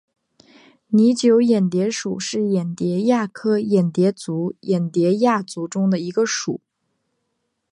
拟酒眼蝶属是眼蝶亚科眼蝶族眼蝶亚族中的一个属。